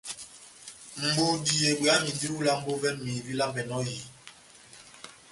Budi ebweyamindi ó ilambo vɛ́mi vílambɛnɔ ó ehiyi.